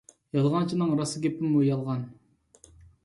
يالغانچىنىڭ راست گېپىمۇ يالغان.